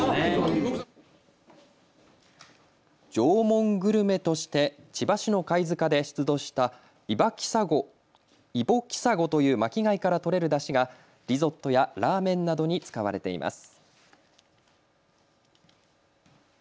縄文グルメとして千葉市の貝塚で出土したイボキサゴという巻き貝から取れるだしがリゾットやラーメンなどに使われています。